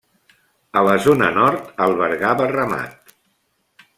A la zona nord albergava ramat.